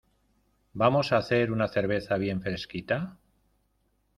¿Vamos a hacer una cerveza bien fresquita?